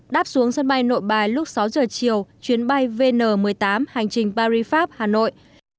đáp xuống sân bay nội bài lúc sáu giờ chiều chuyến bay vn một mươi tám hành trình paris pháp hà nội